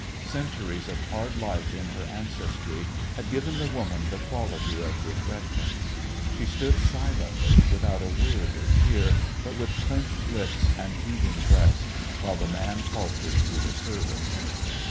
Cen turies of hard life in her ancestry had given the woman the quality of re pression. She stood silently, without a word or tear, but with clenched lips and heaving breast, while the man faltered through the service.